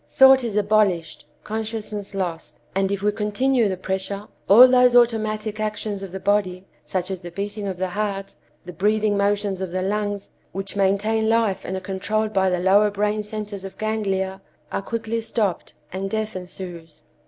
Thought is abolished, consciousness lost. And if we continue the pressure, all those automatic actions of the body, such as the beating of the heart, the breathing motions of the lungs, which maintain life and are controlled by the lower brain centers of ganglia, are quickly stopped and death ensues.